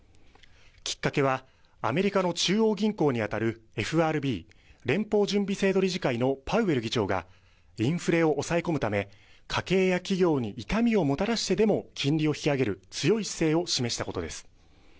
きっかけはアメリカの中央銀行にあたるＦＲＢ・連邦準備制度理事会のパウエル議長がインフレを抑え込むため家計や企業に痛みをもたらしてでも金利を引き上げる強い姿勢を示したことです。